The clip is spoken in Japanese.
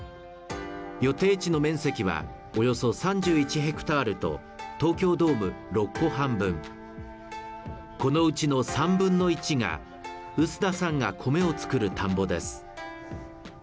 予定地の面積はおよそ３１ヘクタールと東京ドーム６個半分このうちの３分の１が臼田さんが米を作る田んぼです